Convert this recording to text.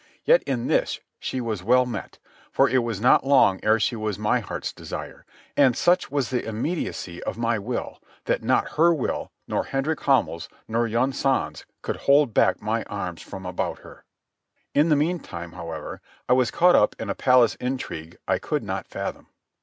Yet in this she was well met, for it was not long ere she was my heart's desire, and such was the immediacy of my will that not her will, nor Hendrik Hamel's, nor Yunsan's, could hold back my arms from about her. In the meantime, however, I was caught up in a palace intrigue I could not fathom.